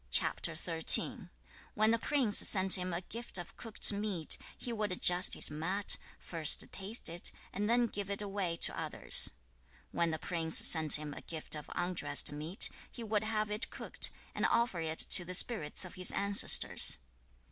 When the prince sent him a gift of cooked meat, he would adjust his mat, first taste it, and then give it away to others. When the prince sent him a gift of undressed meat, he would have it cooked, and offer it to the spirits of his ancestors.